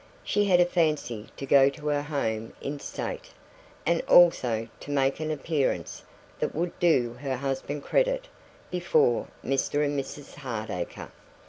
She had a fancy to go to her home in state, and also to make an appearance that would do her husband credit before Mr and Mrs Hardacre.